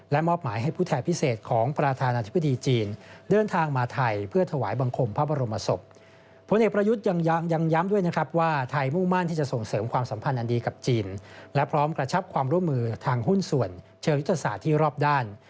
และความร่วมมือทางหุ้นส่วนเชิงวิทยาศาสตร์ที่รอบด้าน